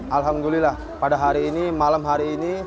alhamdulillah pada hari ini malam hari ini